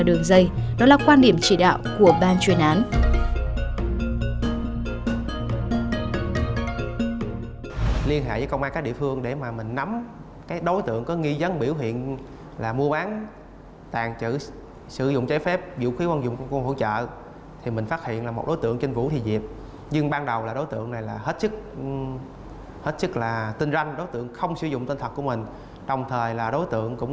đối với vấn đề bắt chọn cả đường dây đó là quan điểm chỉ đạo của ban chuyên án